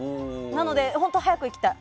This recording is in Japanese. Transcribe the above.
なので、本当に早く行きたい。